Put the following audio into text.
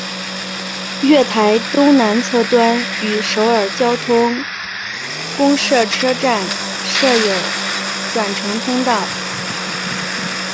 月台东南侧端与首尔交通公社车站设有转乘通道。